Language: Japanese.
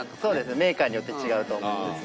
メーカーによって違うと思うんですが。